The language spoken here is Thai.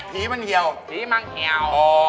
ผีมันเหี่ยวผีมันเหี่ยว